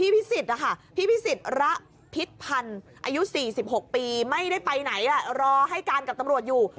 พิสิทธินะคะพี่พิสิทธิ์ระพิษพันธ์อายุ๔๖ปีไม่ได้ไปไหนรอให้การกับตำรวจอยู่